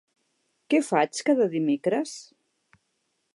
Què faig cada dimecres?